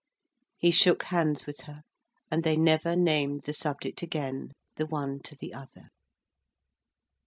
He shook hands with her: and they never named the subject again, the one to the other.